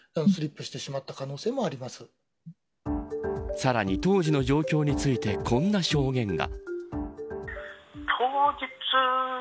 さらに当時の状況についてこんな証言が。